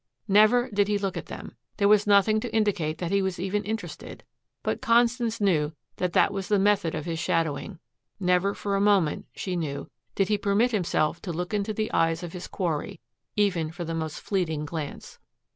Never did he look at them. There was nothing to indicate that he was even interested. But Constance knew that that was the method of his shadowing. Never for a moment, she knew, did he permit himself to look into the eyes of his quarry, even for the most fleeting glance.